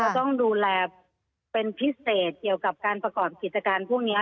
ต้องดูแลเป็นพิเศษเกี่ยวกับการประกอบกิจการพวกนี้